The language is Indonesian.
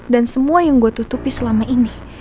dan semua yang gue tutupi selama ini